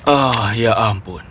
ah ya ampun